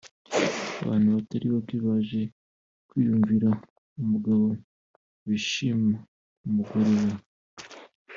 abantu batari bake baje kwiyumvira umugabo wishima ku mugore we